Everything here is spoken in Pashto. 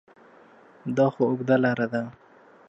دا خو اوږده لاره ده ؟